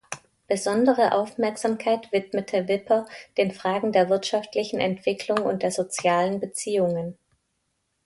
Besondere Aufmerksamkeit widmete Wipper den Fragen der wirtschaftlichen Entwicklung und der sozialen Beziehungen.